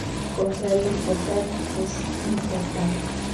Contrario a exportar, es importar.